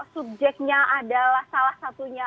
subjeknya adalah salah satunya